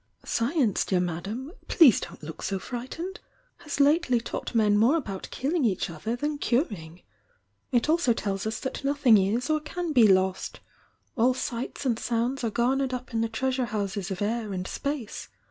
Science, dear Madame — please don't look 80 frightened— haa lately taught men more about kiUing each other than curing! It also tells us that nothing is, or can be lost; all sights and sounds are garnered up in the treasure houses of air and space.